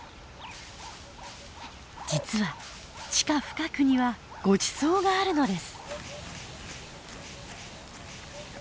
実は地下深くにはごちそうがあるのです。